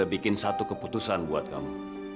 aku mendekatin tunggu kamu